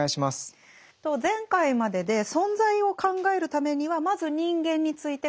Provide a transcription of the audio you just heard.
前回までで「存在」を考えるためにはまず人間について考えなければいけない。